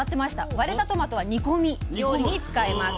割れたトマトは煮込み料理に使います。